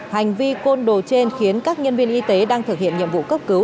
hành vi côn đồ trên khiến các nhân viên y tế đang thực hiện nhiệm vụ cấp cứu